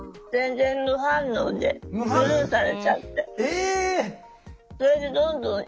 え！